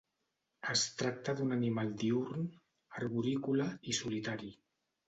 Es tracta d'un animal diürn, arborícola i solitari.